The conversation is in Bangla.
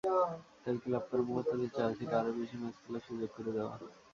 তাই ক্লাব কর্মকর্তাদের চাওয়া ছিল আরও বেশি ম্যাচ খেলার সুযোগ করে দেওয়া।